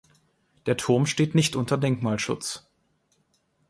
Der Turm steht nicht unter Denkmalschutz.